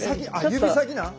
指先なんや。